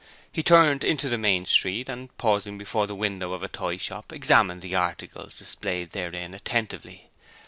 He turned into the main street, and, pausing before the window of a toy shop, examined the articles displayed therein attentively.